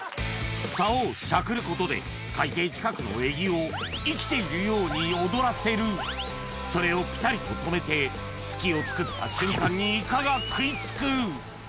竿をしゃくることで海底近くの餌木を生きているように踊らせるそれをピタリと止めて隙をつくった瞬間にイカが食い付く！